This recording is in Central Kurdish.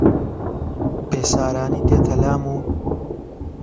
بێسارانی دێتە لام و